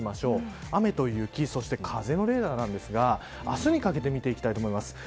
雨と雪、そして風のレーダーなんですが、明日にかけて見ていきたいと思います。